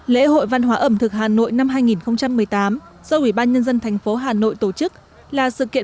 lễ hội văn hóa ẩm thực hà nội năm hai nghìn một mươi tám do ủy ban nhân dân thành phố hà nội tổ chức là sự kiện